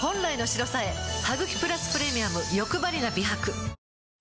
「ハグキプラスプレミアムよくばりな美白」